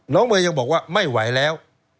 เมย์ยังบอกว่าไม่ไหวแล้ว